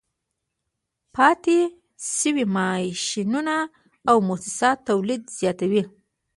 پاتې شوي ماشینونه او موسسات تولید زیاتوي